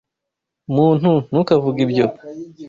Muntu, ntukavuge ibyo!